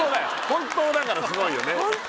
本当だからすごいよね